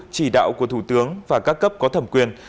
chỉ đạo của thủ tướng và các cấp có thẩm quyền